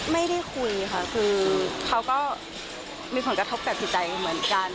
ไม่ได้คุยค่ะคือเขาก็มีผลกระทบกับจิตใจเหมือนกัน